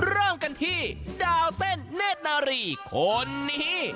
เริ่มกันที่ดาวเต้นเนธนารีคนนี้